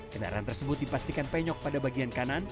kendaraan tersebut dipastikan penyok pada bagian kanan